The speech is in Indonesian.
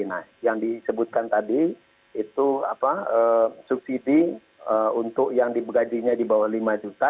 nah yang disebutkan tadi itu subsidi untuk yang digajinya di bawah lima juta